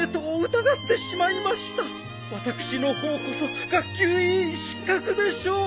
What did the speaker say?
私の方こそ学級委員失格でしょう。